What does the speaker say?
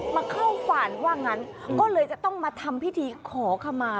มาเข้าฝันว่างั้นก็เลยจะต้องมาทำพิธีขอขมา